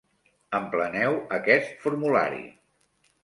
Empleneu aquest formulari.